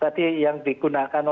tadi yang digunakan oleh